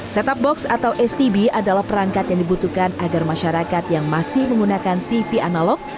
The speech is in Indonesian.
setup box atau stb adalah perangkat yang dibutuhkan agar masyarakat yang masih menggunakan tv analog